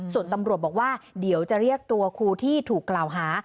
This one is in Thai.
ส่วนตำรวจบอกว่าเดี๋ยวจะเรียกตัวครูที่ถูกกล่าวหา